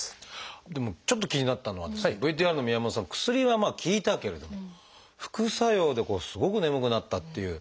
でもちょっと気になったのはですねＶＴＲの宮本さん薬はまあ効いたけれども副作用ですごく眠くなったっていう。